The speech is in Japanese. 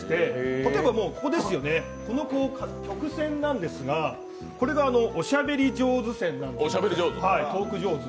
例えば、この曲線なんですが、これがおしゃべり上手線なんですが、トーク上手。